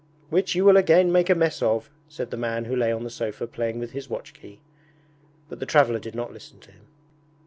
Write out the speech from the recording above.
'Which you will again make a mess of,' said the man who lay on the sofa playing with his watch key. But the traveller did not listen to him.